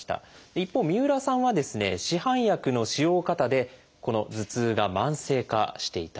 一方三浦さんは市販薬の使用過多でこの頭痛が慢性化していたんです。